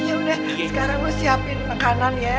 iya udah sekarang gue siapin makanan ya